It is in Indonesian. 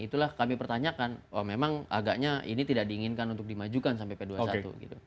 itulah kami pertanyakan memang agaknya ini tidak diinginkan untuk dimajukan sampai p dua puluh satu gitu